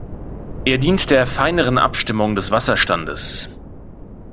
Er dient der feineren Abstimmung des Wasserstandes.